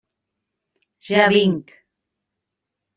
Ja vinc.